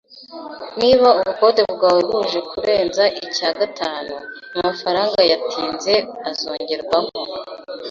Niba ubukode bwawe buje kurenza icya gatanu, amafaranga yatinze azongerwaho.